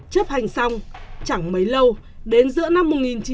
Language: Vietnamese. chấp hành xong chẳng mấy lâu đến giữa năm một nghìn chín trăm chín mươi bốn